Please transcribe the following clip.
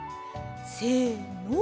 せの。